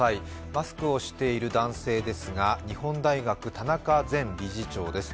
マスクをしている男性ですが、日本大学・田中前理事長です。